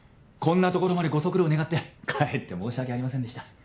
こんなところまでご足労願ってかえって申し訳ありませんでした。